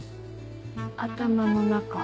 頭の中。